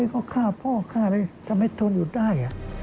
ก็ฆ่าพ่อฆ่าเลยทำไมทนอยู่ได้